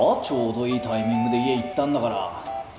ちょうどいいタイミングで家行ったんだから。